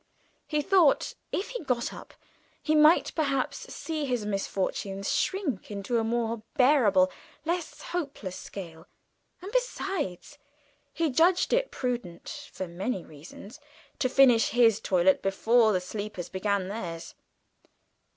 He thought, if he got up, he might perhaps see his misfortunes shrink to a more bearable, less hopeless scale, and besides, he judged it prudent, for many reasons, to finish his toilet before the sleepers began theirs.